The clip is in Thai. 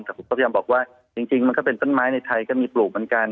แต่ผมก็พยายามบอกว่าจริงมันก็เป็นต้นไม้ในไทยก็มีปลูกเหมือนกัน